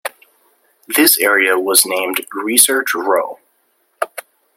This area was named "Research Row".